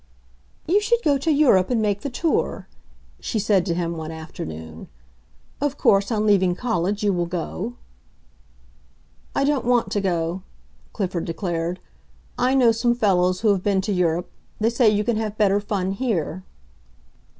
"You should go to Europe and make the tour," she said to him one afternoon. "Of course, on leaving college you will go." "I don't want to go," Clifford declared. "I know some fellows who have been to Europe. They say you can have better fun here."